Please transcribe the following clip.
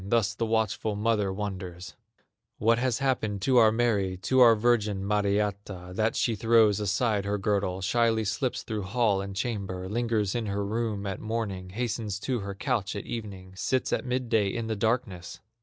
Thus the watchful mother wonders: "What has happened to our Mary, To our virgin, Mariatta, That she throws aside her girdle, Shyly slips through hall and chamber, Lingers in her room at morning, Hastens to her couch at evening, Sits at midday in the darkness?"